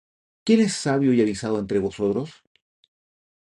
¿Quién es sabio y avisado entre vosotros?